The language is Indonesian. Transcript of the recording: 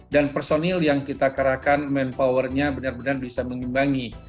dan personil yang kita karakan manpowernya benar benar bisa mengimbangi